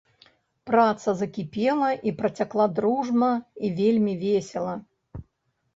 Праца закіпела і працякла дружна і вельмі весела.